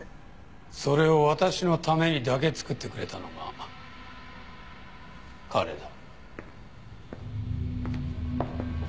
それを私のためにだけ作ってくれたのが彼だ。